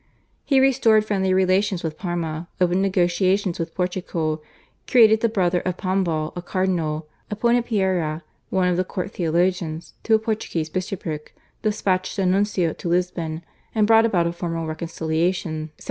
He restored friendly relations with Parma, opened negotiations with Portugal, created the brother of Pombal a cardinal, appointed Pereira, one of the court theologians, to a Portuguese bishopric, despatched a nuncio to Lisbon, and brought about a formal reconciliation (1770).